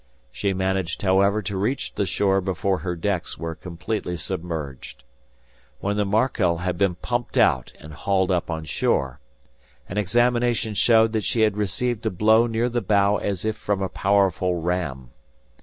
She managed, however, to reach the shore before her decks were completely submerged. "When the 'Markel' had been pumped out and hauled up on shore, an examination showed that she had received a blow near the bow as if from a powerful ram.